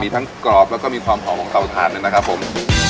มีทั้งกรอบแล้วก็มีความหอมของเตาถ่านด้วยนะครับผม